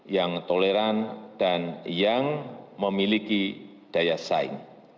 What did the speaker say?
yang toleran dan yang memiliki daya saing